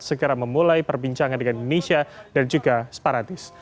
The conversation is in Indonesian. segera memulai perbincangan dengan indonesia dan juga separatis